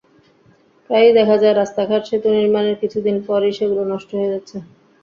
প্রায়ই দেখা যায়, রাস্তাঘাট, সেতু নির্মাণের কিছুদিন পরই সেগুলো নষ্ট হয়ে যাচ্ছে।